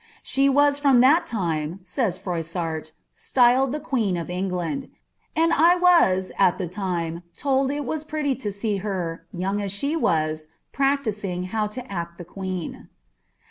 ''She was from that time," says Froissart," styled the (|iie«n of EagiiiMl. And I was at the lime told it was preity to see her, young as she wk, practising how to act the queen."